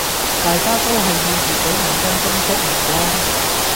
大家都係要預早五分鐘出門啦